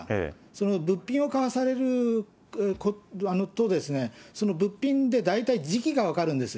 その物品を買わされると、その物品で大体時期が分かるんです。